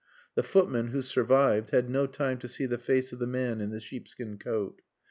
The footman (who survived) had no time to see the face of the man in the sheepskin coat.